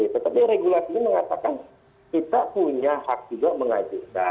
tetapi regulasinya mengatakan kita punya hak juga mengajukan